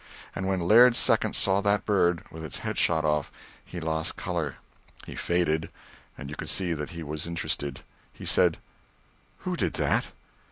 And when Laird's second saw that bird, with its head shot off, he lost color, he faded, and you could see that he was interested. He said: "Who did that?"